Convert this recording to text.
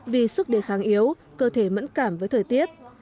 vì sức đề kháng yếu cơ thể mẫn cảm với thời tiết